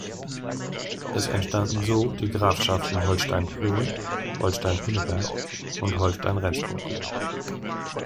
Es entstanden so die Grafschaften Holstein-Plön, Holstein-Pinneberg und Holstein-Rendsburg.